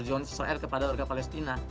john israel kepada warga palestina